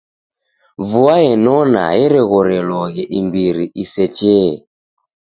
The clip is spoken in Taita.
Vua enona ereghoreloghe imbiri isechee.